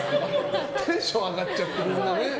テンション上がっちゃってね。